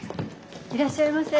いらっしゃいませ。